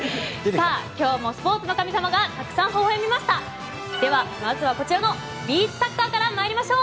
さあ今日もスポーツの神様がたくさんほほ笑みました。